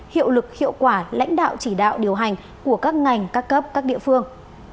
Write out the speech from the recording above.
hiệu lực hiệu quả lãnh đạo chỉ đạo điều hành của các ngành các cấp các địa phương